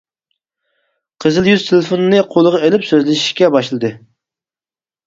قىزىل يۈز تېلېفوننى قولىغا ئېلىپ سۆزلىشىشكە باشلىدى.